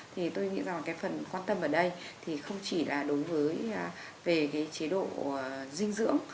thì tôi nghĩ rằng cái phần quan tâm ở đây thì không chỉ là đối với về cái chế độ dinh dưỡng